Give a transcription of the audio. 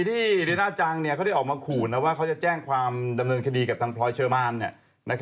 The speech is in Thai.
ที่ริน่าจังเขาได้ออกมาขู่นะว่าเขาจะแจ้งความดำเนินคดีกับทางพลอยเชอร์มาน